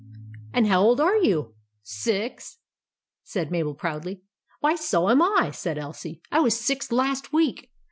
" And how old are you ?"" Six," said Mabel, proudly. " Why, so am I !" said Elsie ; u I was six last week.